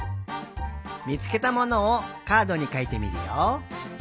みつけたものをカードにかいてみるよ。